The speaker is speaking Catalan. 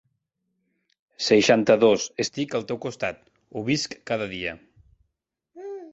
Seixanta-dos estic al seu costat, ho visc cada dia.